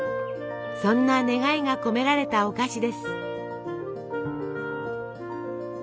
そんな願いが込められたお菓子です。